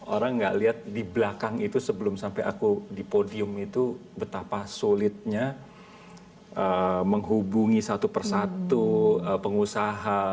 orang gak lihat di belakang itu sebelum sampai aku di podium itu betapa sulitnya menghubungi satu persatu pengusaha